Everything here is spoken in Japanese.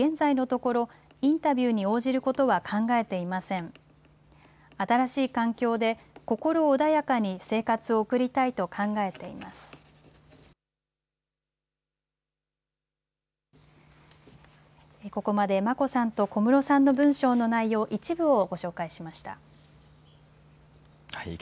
ここまで、眞子さんと小室さんの文書の内容の一部をご紹介しました。